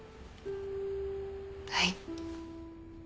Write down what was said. はい。